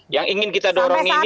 yang ingin kita dorong ini